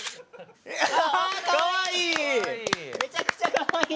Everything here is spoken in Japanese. かわいい！